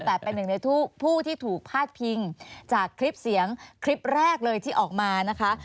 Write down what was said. แต่เป็นหนึ่งในผู้ที่ถูกพาดพิงจากคลิปเสียงคลิปแรกเลยที่ออกมานะคะ